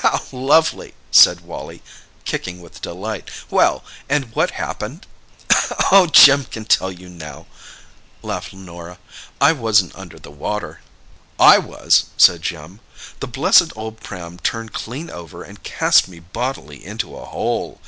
"How lovely!" said Wally, kicking with delight. "Well, and what happened?" "Oh, Jim can tell you now," laughed Norah. "I wasn't under the water!" "I was!" said Jim. "The blessed old pram turned clean over and cast me bodily into a hole.